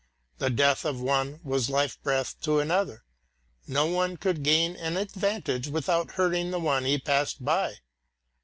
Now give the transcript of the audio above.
The death of one was life breath to another; no one could gain an advantage without hurting the one he passed by.